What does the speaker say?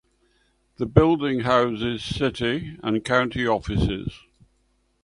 The building houses City and County offices.